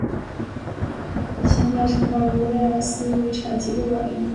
现在城堡由威尔斯遗产机构管理。